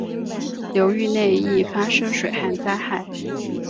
流域内易发生水旱灾害。